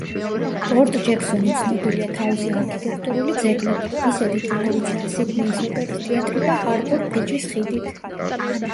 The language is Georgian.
პორტ–ჯექსონი ცნობილია თავისი არქიტექტურული ძეგლებით, ისეთით როგორიცაა სიდნეის ოპერის თეატრი და ჰარბორ–ბრიჯის ხიდით.